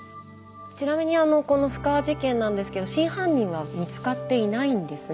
ちなみにこの布川事件なんですけど真犯人は見つかっていないんですね